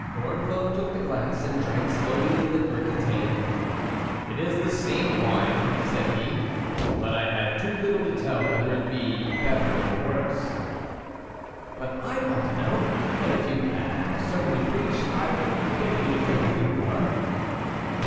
Gorenflot took the glass, and drank slowly the liquor it contained. "It is the same wine," said he, "but I had too little to tell whether it be better or worse." "But I want to know, and if you had not a sermon to preach, I would beg you to drink a little more."